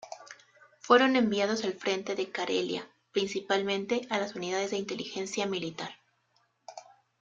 Fueron enviados al frente de Carelia, principalmente a las unidades de inteligencia militar.